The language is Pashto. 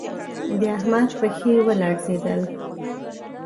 د احمد پښې و لړزېدل